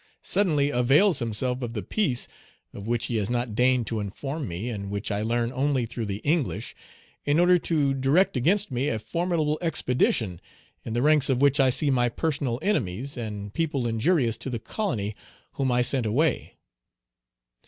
Suddenly he Page 151 avails himself of the peace, (of which he has not deigned to inform me, and which I learn only through the English,) in order to direct against me a formidable expedition, in the ranks of which I see my personal enemies, and people injurious to the colony, whom I sent away.